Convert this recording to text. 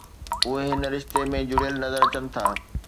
اهي هن رشتي ۾ جڙيل نظر اچن ٿا